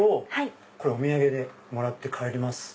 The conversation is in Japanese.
これお土産でもらって帰ります。